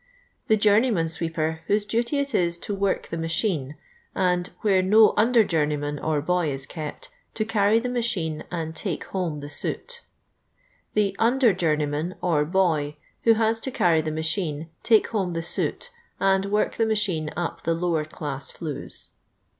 I The '' jouHK yman " sweeper, whose duty it is to I work the m tchine, and (where no undtr joumey man, or boy, is kept) to carry the macLine and I take home the sout. I The " Under joumeyman " or " boy, who has j to carry the machine, take home the soot, and I work the machine up the lower chiss flues.